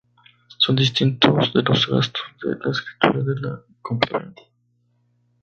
Son distintos de los gastos de la escritura de la compraventa.